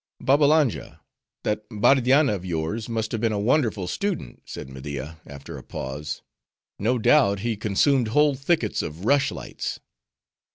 "Babbalanja, that Bardianna of yours must have been a wonderful student," said Media after a pause, "no doubt he consumed whole thickets of rush lights."